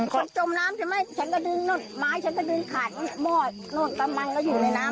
จมน้ำใช่ไหมฉันก็ดึงนู่นไม้ฉันก็ดึงขาดหม้อนู่นปลามันก็อยู่ในน้ำ